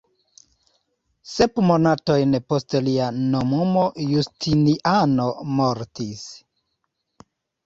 Sep monatojn post lia nomumo Justiniano mortis.